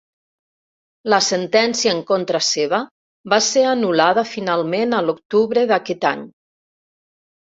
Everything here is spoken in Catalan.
La sentència en contra seva va ser anul·lada finalment a l'octubre d'aquest any.